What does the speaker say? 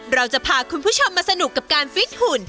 เราจะพาคุณผู้ชมมาสนุกกับการฟิตหุ่น